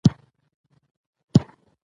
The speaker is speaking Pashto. د فيمينزم په وينا نارينه